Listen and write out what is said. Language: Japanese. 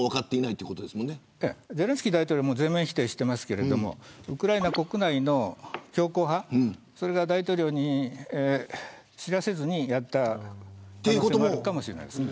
ゼレンスキー大統領は全面否定していますがウクライナ国内の強硬派が大統領に知らせずにやった可能性もあるかもしれない。